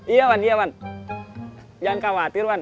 iya wan iya wan jangan khawatir wan